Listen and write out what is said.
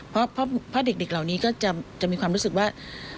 เพราะเด็กเหล่านี้ก็จะมีความรู้สึกว่า